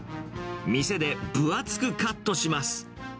店で分厚くカットします。